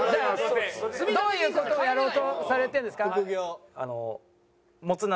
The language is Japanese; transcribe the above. どういう事をやろうとされてるんですか？